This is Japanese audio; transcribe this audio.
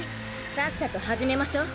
さっさと始めましょ。